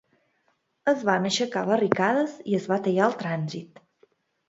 Es van aixecar barricades i es va tallar el trànsit.